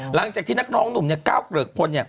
หลังจากที่นักร้องหนุ่มก้าวเกลิกพนฯ